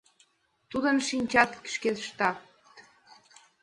Тудым шинчат шкештат